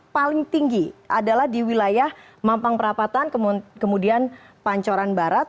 paling tinggi adalah di wilayah mampang perapatan kemudian pancoran barat